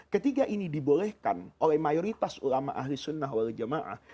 ketiga ini dibolehkan oleh mayoritas ulama ahli sunnah wal jamaah